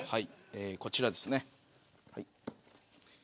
こちらです。